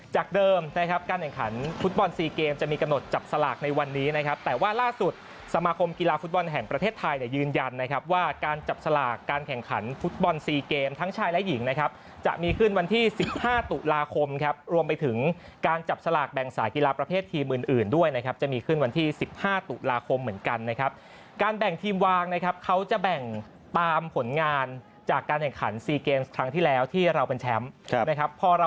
จากเดิมนะครับการแข่งขันฟุตบอล๔เกมจะมีกระหนดจับสลากในวันนี้นะครับแต่ว่าล่าสุดสมาคมกีฬาฟุตบอลแห่งประเทศไทยยืนยันนะครับว่าการจับสลากการแข่งขันฟุตบอล๔เกมทั้งชายและหญิงนะครับจะมีขึ้นวันที่๑๕ตุลาคมครับรวมไปถึงการจับสลากแบ่งสายกีฬาประเภททีมอื่นด้วยนะครับจะมีขึ้